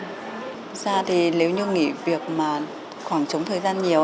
thực ra thì nếu như nghỉ việc khoảng trống thời gian nhiều